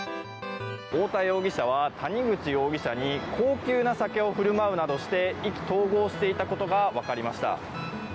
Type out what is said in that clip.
太田容疑者は谷口容疑者に高級な酒を振る舞うなどして意気投合していたことが分かりました。